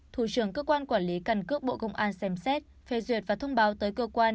thủ trưởng cơ quan quản lý căn cước bộ công an xem xét phê duyệt và thông báo tới cơ quan